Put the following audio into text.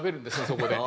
そこで。